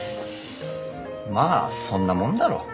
まあそんなもんだろう。